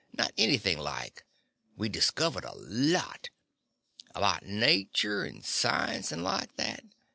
Not anything like. We discovered a lot. About nature and science and like that.